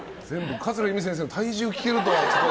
桂由美さんの体重を聞けるとは。